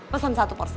pesan satu porsi